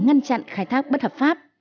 để ngăn chặn khai thác bất hợp pháp